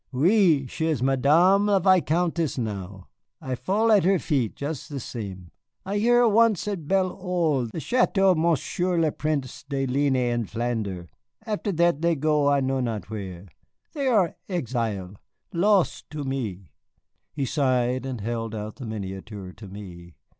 "Oui, she is Madame la Vicomtesse now; I fall at her feet jus' the sem. I hear of her once at Bel Oeil, the château of Monsieur le Prince de Ligne in Flander'. After that they go I know not where. They are exile', los' to me." He sighed, and held out the miniature to me.